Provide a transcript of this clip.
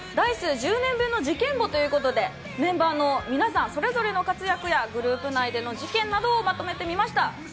１０年分の事件簿ということでメンバーの皆さん、それぞれの活躍やグループ内での事件をまとめました。